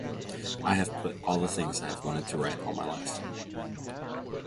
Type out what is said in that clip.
I have put all the things I have wanted to write all my life.